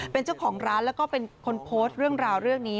เป็นเจ้าของร้านแล้วก็เป็นคนโพสต์เรื่องราวเรื่องนี้